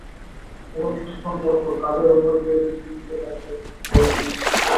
এবং কিছুক্ষণ পরপর, কাঁধের ওপর দিয়ে পেছন দিকে তাকিয়ে দেখে নিচ্ছে তাঁকে।